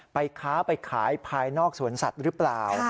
ไปค้าไปขายภายนอกสวนสัตว์หรือเปล่า